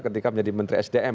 ketika menjadi menteri sdm